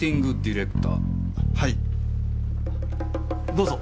どうぞ。